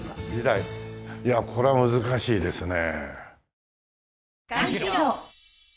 いやあこれは難しいですね。